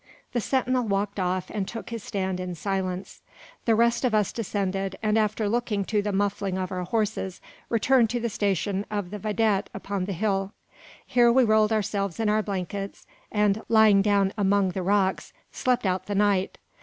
The sentinel walked off, and took his stand in silence. The rest of us descended, and after looking to the muffling of our horses, returned to the station of the vidette upon the hill. Here we rolled ourselves in our blankets, and, lying down among the rocks, slept out the night.